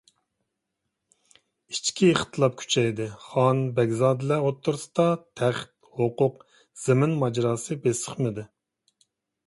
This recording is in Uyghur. ئىچكى ئىختىلاپ كۈچەيدى، خان، بەگزادىلەر ئوتتۇرىسىدا تەخت، ھوقۇق، زېمىن ماجىراسى بېسىقمىدى.